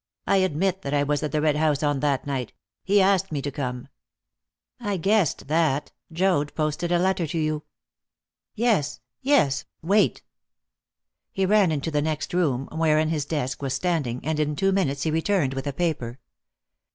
"I admit that I was at the Red House on that night. He asked me to come." "I guessed that. Joad posted a letter to you." "Yes, yes. Wait!" He ran into the next room, wherein his desk was standing, and in two minutes he returned with a paper.